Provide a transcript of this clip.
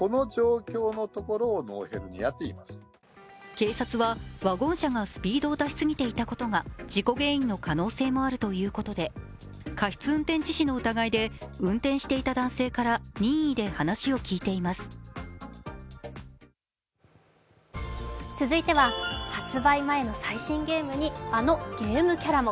警察はワゴン車がスピードを出し過ぎていたことが事故原因の可能性もあるということで、過失運転致死の疑いで運転していた男性から任意で話を聴いています続いては、発売前の最新ゲームに、あのゲームキャラも。